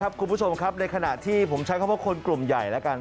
คุณผู้ชมครับในขณะที่ผมใช้คำว่าคนกลุ่มใหญ่แล้วกัน